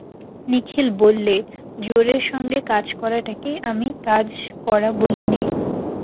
নিখিল বললে, জোরের সঙ্গে কাজ করাটাকেই আমি কাজ করা বলি নে।